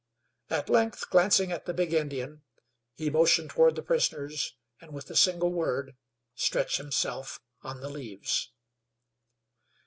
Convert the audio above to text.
At length, glancing at the big Indian, he motioned toward the prisoners and with a single word stretched himself on the leaves.